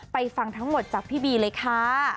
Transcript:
ฟังทั้งหมดจากพี่บีเลยค่ะ